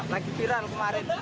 lagi viral kemarin